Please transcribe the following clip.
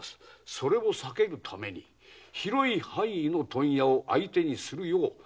それを避けるために広い範囲の問屋を相手にするよう申し渡しております。